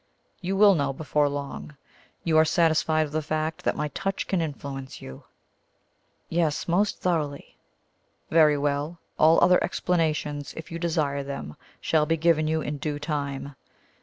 "You will know before long. You are satisfied of the fact that my touch can influence you?" "Yes; most thoroughly." "Very well. All other explanations, if you desire them, shall be given you in due time.